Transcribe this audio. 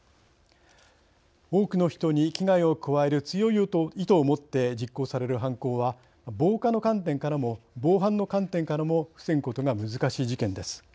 多くの人に危害を加える強い意図を持って実行される犯行は防火の観点からも防犯の観点からも防ぐことが難しい事件です。